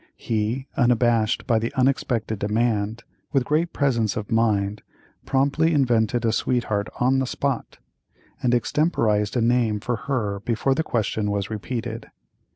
He, unabashed by the unexpected demand, with great presence of mind promptly invented a sweetheart on the spot, and extemporized a name for her before the question was repeated.